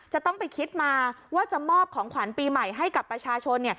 จะต้องไปคิดมาว่าจะมอบของขวัญปีใหม่ให้กับประชาชน